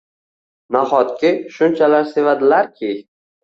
Nahotki shunchalar sevadilar-ki